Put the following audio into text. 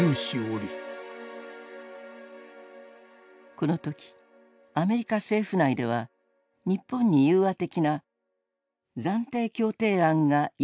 この時アメリカ政府内では日本に宥和的な「暫定協定案」が用意されていた。